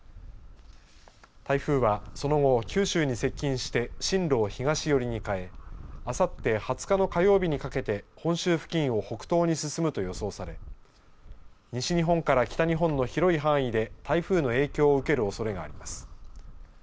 台風はその後、九州に接近して進路を東寄りに変えあさって２０日の火曜日にかけて本州付近を北東に進むと予想され西日本から北日本の広い範囲で台風の影響を受けるおそれがあります。